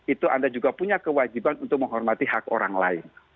itu anda juga punya kewajiban untuk menghormati hak orang lain